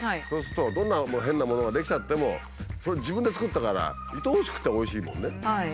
そうするとどんな変なものが出来ちゃってもそれ自分で作ったからいとおしくておいしいもんね。